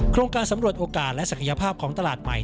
โครงการสำรวจโอกาสและศักยภาพของตลาดใหม่